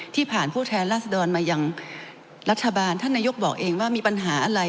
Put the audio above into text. ผ่านผู้แทนราษฎรมาอย่างรัฐบาลท่านนายกบอกเองว่ามีปัญหาอะไร